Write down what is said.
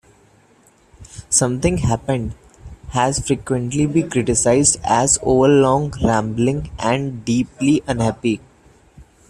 "Something Happened" has frequently been criticized as overlong, rambling, and deeply unhappy.